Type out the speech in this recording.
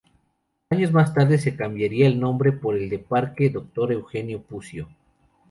Años más tarde se cambiaría el nombre por el de "Parque Dr. Eugenio Puccio".